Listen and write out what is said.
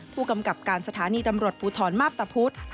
ผู้กำกับการสถานีตำรวจภูทรมาพตะพุธ